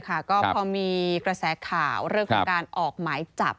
ก็พอมีกระแสข่าวเรื่องของการออกหมายจับ